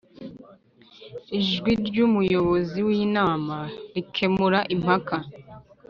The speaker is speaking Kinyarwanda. ijwi ry Umuyobozi w inama rikemura impaka